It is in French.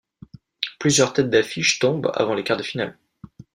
Plusieurs têtes d'affiche tombent avant les quarts de finale.